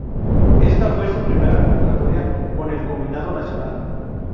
Esta fue su primera convocatoria con el combinado nacional.